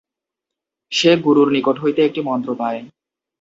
সে গুরুর নিকট হইতে একটি মন্ত্র পায়।